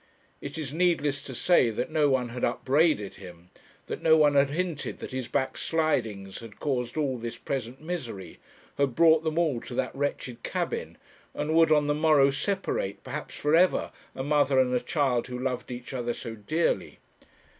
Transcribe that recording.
It is needless to say that no one had upbraided him, that no one had hinted that his backslidings had caused all this present misery, had brought them all to that wretched cabin, and would on the morrow separate, perhaps for ever, a mother and a child who loved each other so dearly.